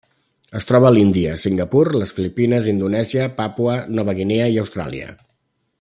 Es troba a l'Índia, Singapur, les Filipines, Indonèsia, Papua Nova Guinea i Austràlia.